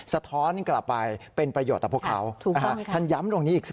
สะท้อนกลับไปเป็นประโยชน์ต่อพวกเค้า